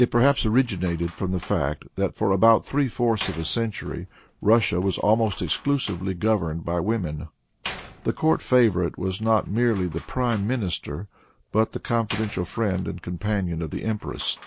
It perhaps originated from the fact that for about three fourths of a century Russia was almost exclusively governed by women. The court favorite was not merely the prime minister, but the confidential friend and companion of the empress.